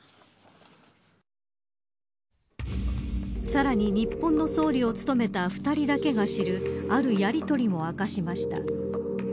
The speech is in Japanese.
さらに、日本の総理を務めた二人だけが知るあるやりとりも明かしました。